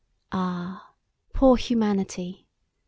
Ah! poor humanity!